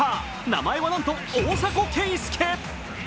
名前はなんと大迫敬介。